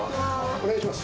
お願いいたします。